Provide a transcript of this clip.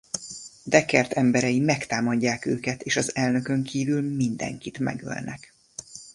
Deckert emberei megtámadják őket és az elnökön kívül mindenkit megölnek.